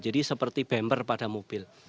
jadi seperti bember pada mobil